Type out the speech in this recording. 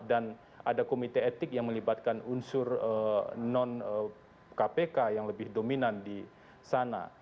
dan ada komite etik yang melibatkan unsur non kpk yang lebih dominan di sana